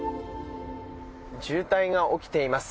渋滞が起きています。